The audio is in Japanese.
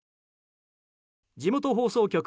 地元放送局